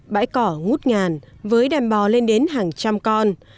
bãi cỏ ngút ngàn với đàn bò lên đến hàng trăm con